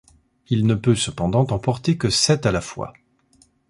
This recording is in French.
Il ne peut cependant en porter que sept à la fois.